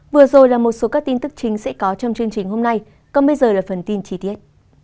vừa rồi là một số các tin tức chính sẽ có trong chương trình hôm nay còn bây giờ là phần tin chi tiết